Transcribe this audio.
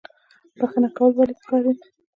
بخښنه کول ولې پکار دي؟